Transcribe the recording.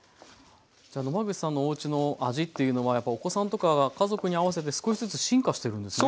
じゃ野間口さんのおうちの味っていうのはやっぱお子さんとか家族に合わせて少しずつ進化してるんですね。